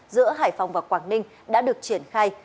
giữa hải phòng và quảng ninh đã được triển khai